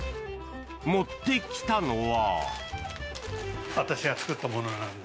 持ってきたのは？